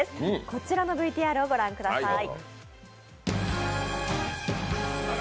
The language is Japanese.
こちらのＶＴＲをご覧ください。